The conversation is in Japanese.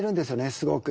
すごく。